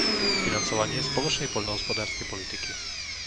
Financovanie Spoločnej poľnohospodárskej politiky